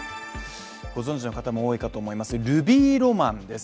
ご存じの方も多いかと思いますが、ルビーロマンです。